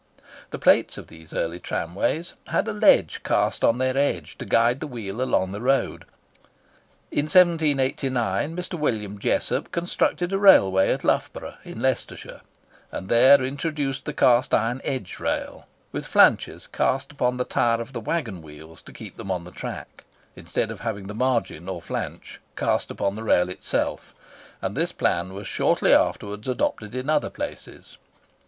The plates of these early tramways had a ledge cast on their edge to guide the wheel along the road, after the manner shown in the annexed cut. [Picture: Flange rail] In 1789, Mr. William Jessop constructed a railway at Loughborough, in Leicestershire, and there introduced the cast iron edge rail, with flanches cast upon the tire of the waggon wheels to keep them on the track, instead of having the margin or flanch cast upon the rail itself; and this plan was shortly after adopted in other places.